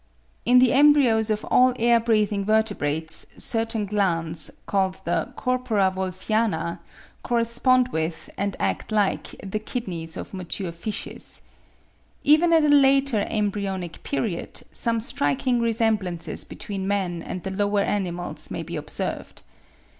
In the embryos of all air breathing vertebrates, certain glands, called the corpora Wolffiana, correspond with, and act like the kidneys of mature fishes. (17. Owen, 'Anatomy of Vertebrates,' vol. i. p. 533.) Even at a later embryonic period, some striking resemblances between man and the lower animals may be observed.